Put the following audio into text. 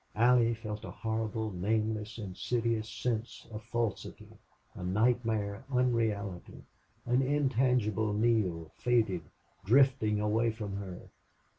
Allie felt a horrible, nameless, insidious sense of falsity a nightmare unreality an intangible Neale, fated, drifting away from her.